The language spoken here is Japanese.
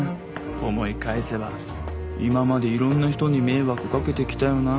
思い返せば今までいろんな人に迷惑かけてきたよな。